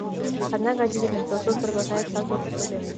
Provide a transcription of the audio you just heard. Однако очевидно, что Суд продолжает сталкиваться с проблемами.